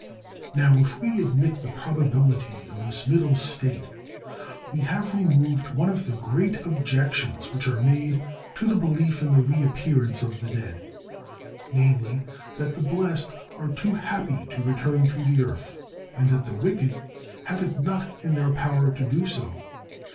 Now, if we admit the probability of this middle state, we have removed one of the great objections which are made to the belief in the reappearance of the dead: namely, that the blest are too happy to return to the earth, and that the wicked have it not in their power to do so.